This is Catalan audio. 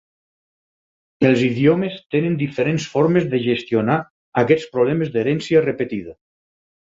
Els idiomes tenen diferents formes de gestionar aquests problemes d"herència repetida.